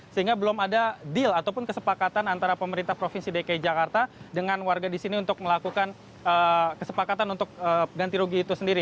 sehingga belum ada deal ataupun kesepakatan antara pemerintah provinsi dki jakarta dengan warga di sini untuk melakukan kesepakatan untuk ganti rugi itu sendiri